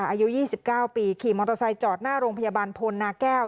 อายุยี่สิบเก้าปีขี่มอเตอร์ไซด์จอดหน้าโรงพยาบาลพลนาแก้ว